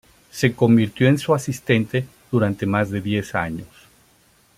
Se convirtió en su asistente durante más de diez años.